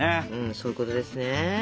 そういうことですね。